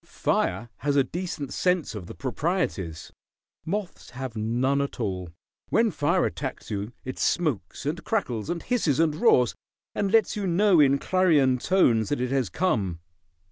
Fire has a decent sense of the proprieties. Moths have none at all. When fire attacks you it smokes, and crackles, and hisses, and roars, and lets you know in clarion tones that it has come.